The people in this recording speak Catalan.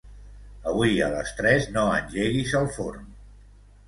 Avui a les tres no engeguis el forn.